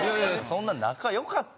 そんな仲良かった？